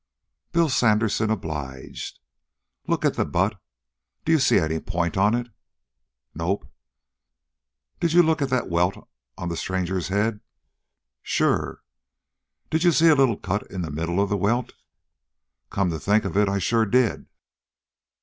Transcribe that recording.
Bill Sandersen obliged. "Look at the butt. D'you see any point on it?" "Nope." "Did you look at that welt on the stranger's head?" "Sure." "Did you see a little cut in the middle of the welt?" "Come to think of it, I sure did."